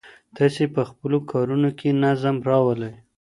تاسي په خپلو کارونو کي نظم راولئ.